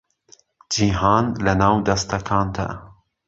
جیهان لەناو دەستەکانتە